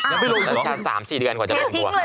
ยังไม่ลงอ่ออ๋อรสชาติ๓๔เดือนกว่าจะลงตัว